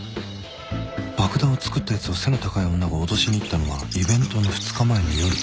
爆弾を作ったやつを背の高い女が脅しに行ったのはイベントの２日前の夜